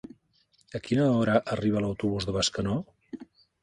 A quina hora arriba l'autobús de Bescanó?